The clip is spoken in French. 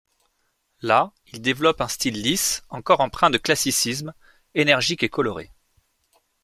Là, il développe un style lisse, encore empreint de classicisme, énergique et coloré.